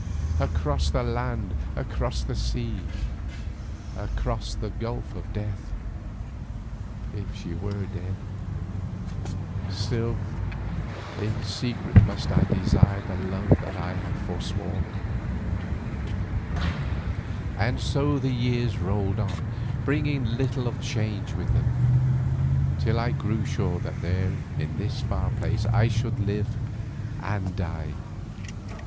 Across the land, across the sea, across the gulf of death—if she were dead—still in secret must I desire the love that I had forsworn. And so the years rolled on, bringing little of change with them, till I grew sure that here in this far place I should live and die.